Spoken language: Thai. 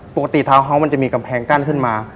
ทาวน์เฮาสมันจะมีกำแพงกั้นขึ้นมา